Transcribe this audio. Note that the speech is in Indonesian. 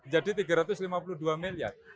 jadi tiga ratus lima puluh dua miliar